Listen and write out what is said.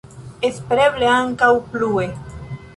Espereble ankaŭ plue.